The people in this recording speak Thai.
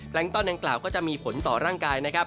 ขั้นตอนดังกล่าวก็จะมีผลต่อร่างกายนะครับ